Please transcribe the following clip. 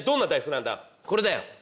これだよ。